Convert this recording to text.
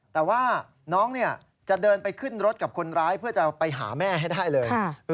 แต่ว่าน้องจะเดินไปขึ้นรถกับคนร้ายเพื่อจะไปหาแม่ให้ได้เลย